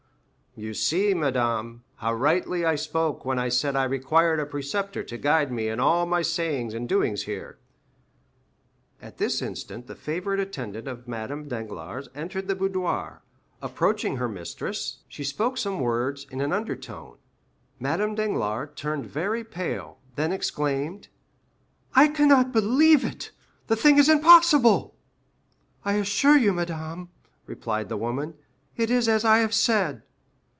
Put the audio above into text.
"You see, madame, how rightly I spoke when I said I required a preceptor to guide me in all my sayings and doings here." At this instant the favorite attendant of Madame Danglars entered the boudoir; approaching her mistress, she spoke some words in an undertone. Madame Danglars turned very pale, then exclaimed: "I cannot believe it; the thing is impossible." "I assure you, madame," replied the woman, "it is as I have said."